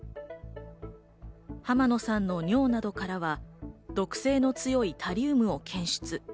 浜野さんの尿などからは毒性の強いタリウムを検出。